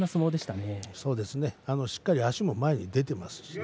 しっかりと足も前に出ていました。